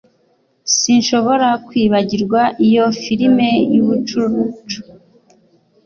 Sinshobora kwibagirwa iyo firime yubucucu.